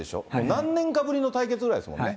何年かぶりの対決ぐらいですもんね。